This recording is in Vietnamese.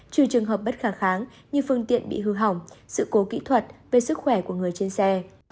trừ trường hợp bất khả kháng như phương tiện bị hư hỏng sự cố kỹ thuật về sức khỏe của người trên xe